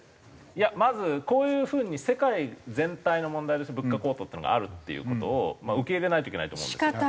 いやまずこういう風に世界全体の問題で物価高騰っていうのがあるっていう事を受け入れないといけないと思うんですよ。